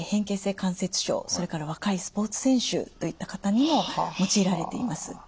それから若いスポーツ選手といった方にも用いられています。